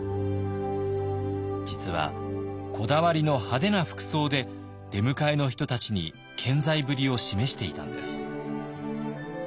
実はこだわりの派手な服装で出迎えの人たちに健在ぶりを示していたんです。